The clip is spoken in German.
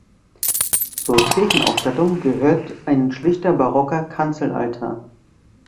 Zur Kirchenausstattung gehört ein schlichter barocker Kanzelaltar.